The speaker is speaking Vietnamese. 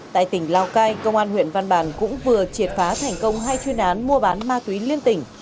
tại tỉnh lào cai công an huyện văn bàn cũng vừa triệt phá thành công hai chuyên án mua bán ma túy liên tỉnh